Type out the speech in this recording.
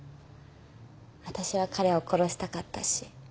私は彼を殺したかったし。